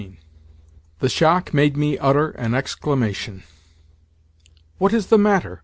XIV The shock made me utter an exclamation. "What is the matter?